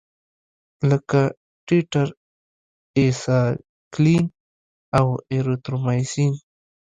لکه ټیټرایسایکلین او اریترومایسین.